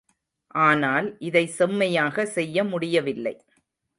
ஆனால், இதை செம்மையாக செய்ய முடியவில்லை.